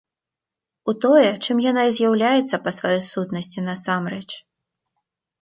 У тое, чым яна і з'яўляецца па сваёй сутнасці насамрэч.